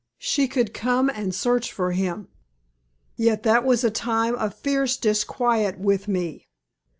She could come and search for him. Yet that was a time of fierce disquiet with me.